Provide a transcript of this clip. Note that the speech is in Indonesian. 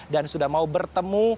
dan sudah mau bertemu